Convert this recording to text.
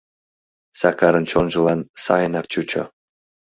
Сакарын чонжылан сайынак чучо.